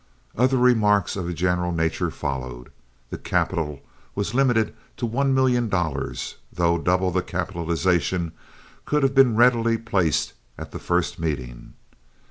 Other remarks of a general nature followed. The capital was limited to one million dollars, though double the capitalization could have been readily placed at the first meeting.